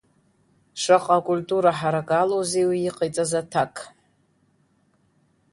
Шаҟа акультура ҳаракы алоузеи уи иҟаиҵаз аҭак.